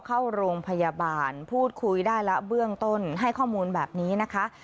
เข้าโรงพยาบาลพูดคุยได้แล้วเบื้องต้นให้ข้อมูลแบบนี้นะคะ